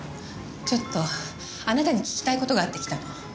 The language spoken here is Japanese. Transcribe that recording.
ちょっとあなたに聞きたい事があって来たの。